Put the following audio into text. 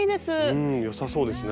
うんよさそうですね。